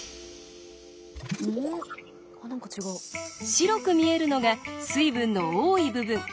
白く見えるのが水分の多い部分。